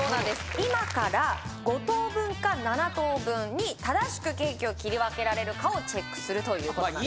今から５等分か７等分に正しくケーキを切り分けられるかをチェックするということなんです